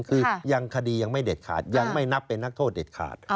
คือยังคดียังไม่เด็ดขาดยังไม่นับเป็นนักโทษเด็ดขาด